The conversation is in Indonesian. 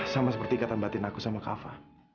sama seperti ikatan batin aku sama kava